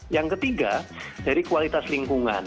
yang ketiga dari kualitas lingkungan